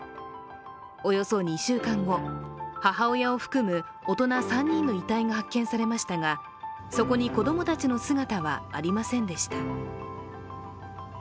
およそ２週間後母親を含む大人３人の遺体が発見されましたがそこに子供たちの姿はありませんでした。